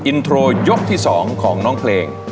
อินโทรยกที่๒ของน้องเพลง